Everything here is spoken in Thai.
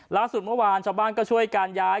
ล่าสุดเมื่อวานชาวบ้านก็ช่วยการย้าย